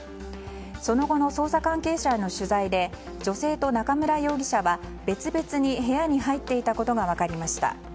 その後の捜査関係者への取材で女性と中村容疑者は別々に部屋に入っていたことが分かりました。